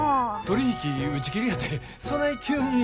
取り引き打ち切りやてそない急に。